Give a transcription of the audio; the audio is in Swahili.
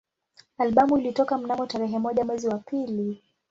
Albamu ilitoka mnamo tarehe moja mwezi wa pili